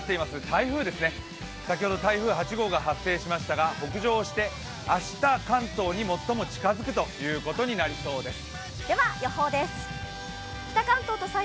台風ですね、先ほど台風８号が発生しましたが、北上して明日、関東に最も近づくということになりそうです。